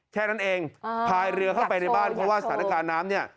แค่นั้นเองพายเรือเข้าไปในบ้านเพราะว่าสถานการณ์น้ำเนี่ย